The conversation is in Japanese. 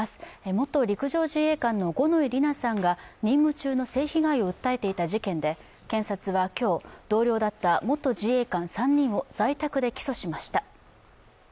元陸上自衛官の五ノ井里奈さんが任務中の性被害を訴えていた事件で検察は今日、同僚だった元自衛官３人を在宅で起訴しました。